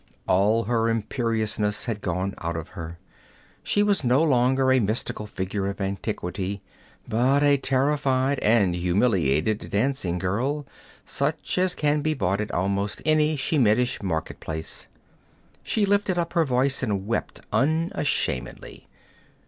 All her imperiousness had gone out of her. She was no longer a mystical figure of antiquity, but a terrified and humiliated dancing girl, such as can be bought at almost any Shemitish market place. She lifted up her voice and wept unashamedly.